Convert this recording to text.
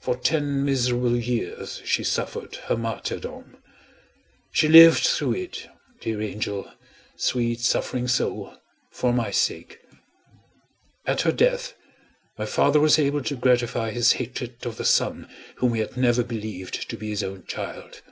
For ten miserable years she suffered her martyrdom; she lived through it, dear angel, sweet suffering soul, for my sake. At her death, my father was able to gratify his hatred of the son whom he had never believed to be his own child.